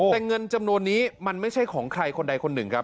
แต่เงินจำนวนนี้มันไม่ใช่ของใครคนใดคนหนึ่งครับ